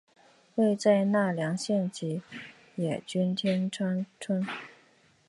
位在奈良县吉野郡天川村。